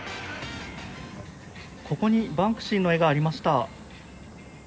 ここにバンクシーの絵がありました。